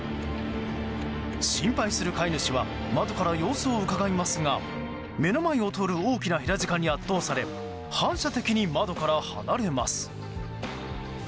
心配する飼い主は窓から様子をうかがいますが目の前を通る大きなヘラジカに圧倒され反射的に窓から離れます。